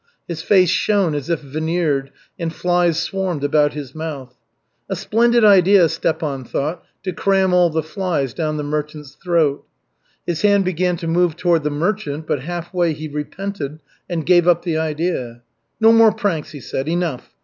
His face shone as if veneered, and flies swarmed about his mouth. A splendid idea, Stepan thought, to cram all the flies down the merchant's throat. His hand began to move toward the merchant, but halfway he repented and gave up the idea. "No more pranks," he said, "enough.